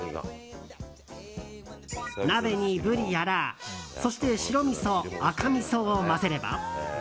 鍋にブリあら、そして白みそ、赤みそを混ぜれば。